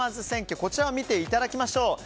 こちらを見ていただきましょう。